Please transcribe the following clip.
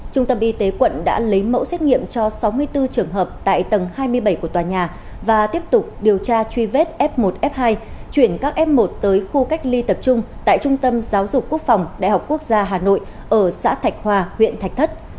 trung tâm y tế quận đã lấy mẫu xét nghiệm cho sáu mươi bốn trường hợp tại tầng hai mươi bảy của tòa nhà và tiếp tục điều tra truy vết f một f hai chuyển các f một tới khu cách ly tập trung tại trung tâm giáo dục quốc phòng đại học quốc gia hà nội ở xã thạch hòa huyện thạch thất